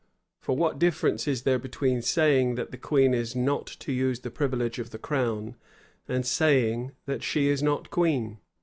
For what difference is there between saying, that the queen is not to use the privilege of the crown and saying, that she is not queen?